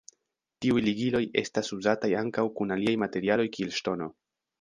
Tiuj ligiloj estas uzataj ankaŭ kun aliaj materialoj kiel ŝtono.